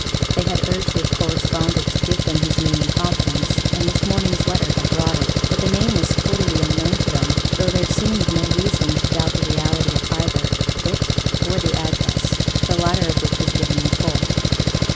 They had urged their correspondent to give them his name in confidence, and this morning's letter had brought it; but the name was totally unknown to them, though there seemed no reason to doubt the reality of either it or the address, the latter of which was given in full.